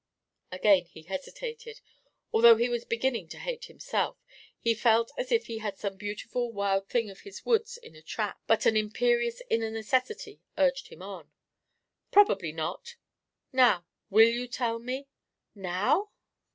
Again he hesitated, although he was beginning to hate himself; he felt as if he had some beautiful wild thing of his woods in a trap, but an imperious inner necessity urged him on. "Probably not. Now will you tell me?" "Now?"